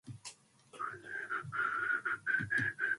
In her doctoral thesis she described the "Ecology of Wolves".